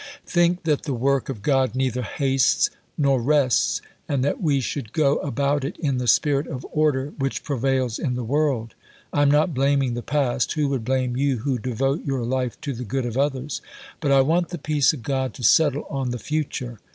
Think that the work of God neither hastes nor rests, and that we should go about it in the spirit of order which prevails in the world. I am not blaming the past (who would blame you who devote your life to the good of others?). But I want the peace of God to settle on the future.